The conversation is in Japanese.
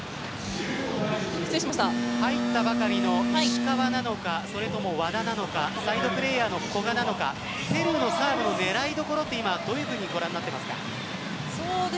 入ったばかりの石川なのかそれとも和田なのかサイドプレーヤーの古賀なのかペルーのサーブの狙いどころはどういうふうにご覧になっていますか？